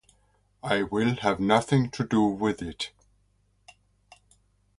I will have nothing to do with it.